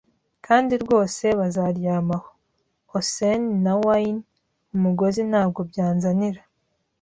kandi rwose bazaryama aho. Oxen na wain-umugozi ntabwo byanzanira